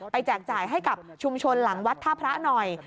แจกจ่ายให้กับชุมชนหลังวัดท่าพระหน่อย